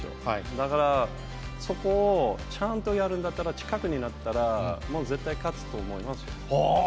だから、そこをちゃんとやるんだったら、近くになったら、もう絶対勝つと思いますよ。